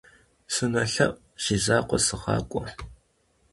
СынолъэӀу, си закъуэ сыгъакӀуэ.